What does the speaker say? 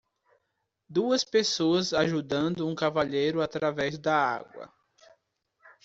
Duas pessoas ajudando um cavalheiro através da água.